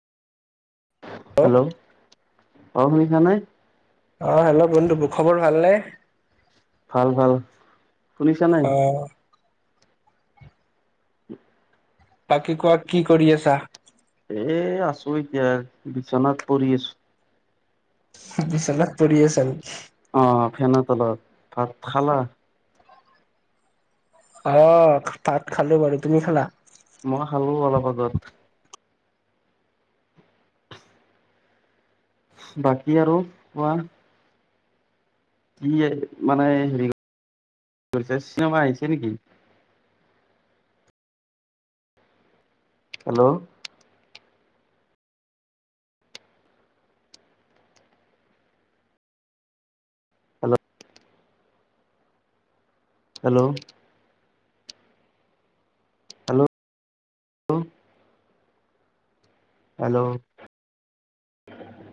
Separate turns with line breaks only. Hello, অহ ', শুনিছানে?
অহ ', হেল্ল', বন্ধু খবৰ ভালনে?
ভাল - ভাল। শুনিছা নাই।
অ বাকী কোৱা কি কৰি আছা?
এ আছো এতিয়া বিচনাত পৰি আছো।
বিচনাত পৰি আছ নেকি?
অহ ', ফেনৰ তলত ভাত খালা?
অহ ', ভাত খালো বাৰু তুমি খালা?
মই খালো অলপ আগত। বাকী আৰু কোৱা? কি মানে হেৰি চিনেমা আহিছে নেকি? হেল্ল', হেল্ল', হেল্ল', হেল্ল', ল হেল্ল',